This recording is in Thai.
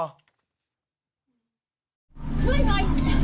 ช่วยหน่อย